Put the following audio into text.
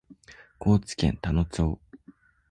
高知県田野町